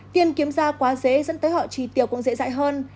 tiền kiếm ra quá dễ dẫn tới họ tri tiêu cũng dễ dại hơn